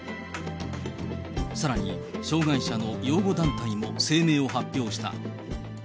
さらに、障害者の擁護団体も声明を発表した。